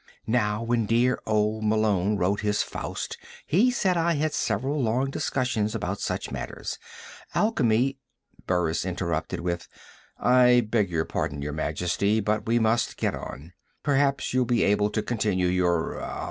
Now when dear old Marlowe wrote his 'Faust,' he and I had several long discussions about such matters. Alchemy " Burris interrupted with: "I beg your pardon, Your Majesty, but we must get on. Perhaps you'll be able to continue your